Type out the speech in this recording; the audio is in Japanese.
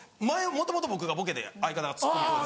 もともと僕がボケで相方がツッコミ。